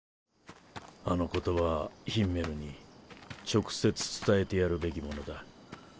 あの言葉はヒンメルに直接伝えてやるべきものだ。